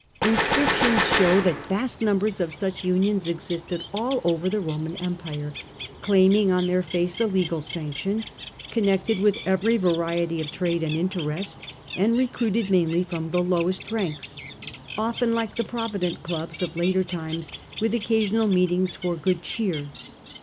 Inscriptions show that vast numbers of such unions existed all over the Roman Empire, claiming on their face a legal sanction, connected with every variety of trade and interest, and recruited mainly from the lowest ranks — often, like the provident clubs of later times, with occasional meetings for good cheer.